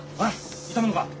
痛むのか！？